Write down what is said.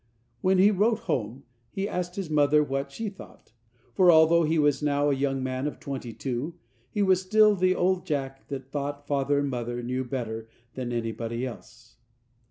When he wrote home, he asked his mother what she thought, for although he was now a young man of twenty two, he was still the old Jack that thought father and mother knew better than anybody else.